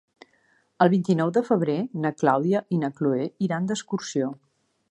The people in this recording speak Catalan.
El vint-i-nou de febrer na Clàudia i na Cloè iran d'excursió.